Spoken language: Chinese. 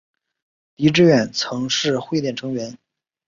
狄志远曾是汇点成员。